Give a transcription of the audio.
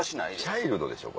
チャイルドでしょこれ。